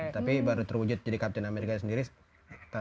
tapi baru terwujud jadi captain america sendiri tahun dua ribu sepuluh